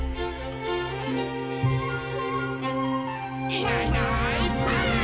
「いないいないばあっ！」